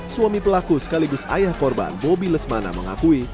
suami pelaku sekaligus ayah korban bobi lesmana mengakui